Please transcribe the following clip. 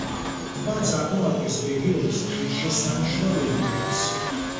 ტბა წარმოადგენს რეგიონის ღირსშესანიშნავ ობიექტს.